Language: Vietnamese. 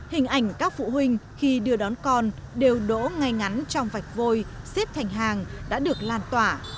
hình ảnh các phụ huynh khi đưa đón con đều đỗ ngay ngắn trong vạch vôi xếp thành hàng đã được lan tỏa